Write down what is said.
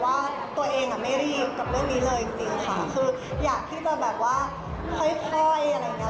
คืออยากที่จะแบบว่าค่อยอะไรอย่างนี้